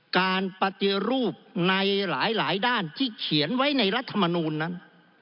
การปฏิรูปในหลายด้านที่เขียนไว้ในรัฐมนูลนั้น